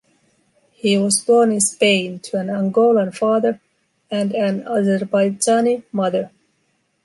He was born in Spain to an Angolan father and an Azerbaijani mother.